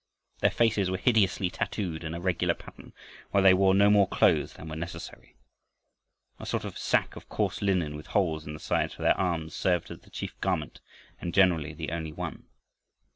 Their faces were hideously tattooed in a regular pattern, while they wore no more clothes than were necessary. A sort of sack of coarse linen with holes in the sides for their arms, served as the chief garment, and generally the only one.